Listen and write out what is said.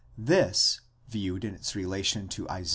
This, viewed in its relation to Isa.